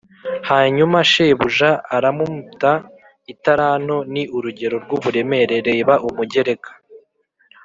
Hanyuma shebuja aramumt italanto ni urugero rw uburemere reba umugereka